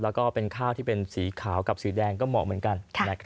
แล้วก็เป็นข้าวที่เป็นสีขาวกับสีแดงก็เหมาะเหมือนกัน